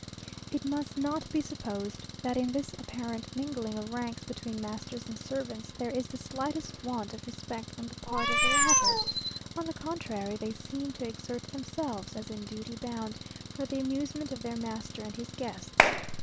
It must not be supposed that in this apparent mingling of ranks between masters and servants, there is the slightest want of respect on the part of the latter; on the contrary, they seem to exert themselves, as in duty bound, for the amusement of their master and his guests.